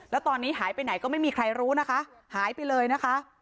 แล้วตอนนี้หายไปไหนก็ไม่มีใครรู้นะคะหายไปเลยนะคะ